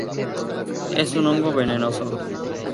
Es un hongo venenoso.